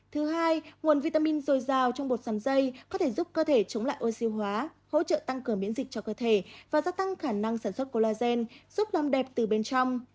thứ hai nguồn vitamin dồi dào trong bột sắn dây có thể giúp cơ thể chống lại oxy hóa hỗ trợ tăng cường miễn dịch cho cơ thể và gia tăng khả năng sản xuất collagen giúp làm đẹp từ bên trong